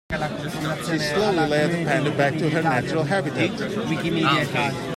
She slowly led the panda back to her natural habitat.